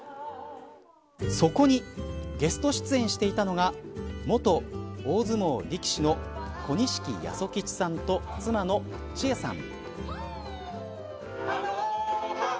そこにゲスト出演していたのが元大相撲力士の小錦八十吉さんと妻の千絵さん。